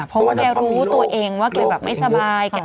เพราะตัวเองรู้ดูตัวเองว่าแกแบบไม่สบาย